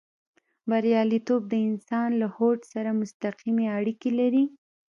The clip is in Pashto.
برياليتوب د انسان له هوډ سره مستقيمې اړيکې لري.